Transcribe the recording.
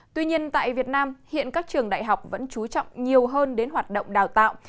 tuy nhiên tại việt nam hiện các trường đại học vẫn trú trọng nhiều hơn đến hoạt động đào tạo